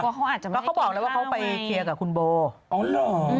ก็เขาบอกแล้วว่าไปเคลียร์กับคุณโบ